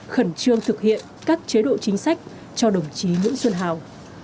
khẩn trương thực hiện các chế độ chính sách cho đồng chí nguyễn xuân hào